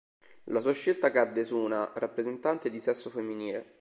La sua scelta cadde su una rappresentante di sesso femminile.